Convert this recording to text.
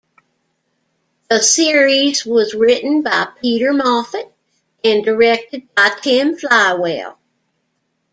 The series was written by Peter Moffat and directed by Tim Fywell.